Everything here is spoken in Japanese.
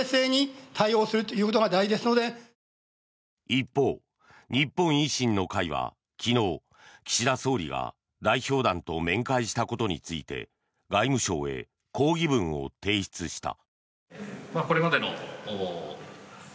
一方、日本維新の会は昨日岸田総理が代表団と面会したことについて外務省へ抗議文を提出した。